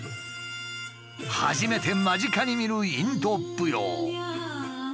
初めて間近に見るインド舞踊。